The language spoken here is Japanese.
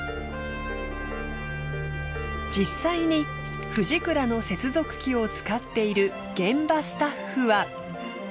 実際にフジクラの接続機を使っている現場スタッフは。